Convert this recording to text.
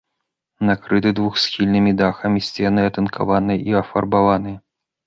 Накрыты двухсхільнымі дахамі, сцены атынкаваныя і афарбаваныя.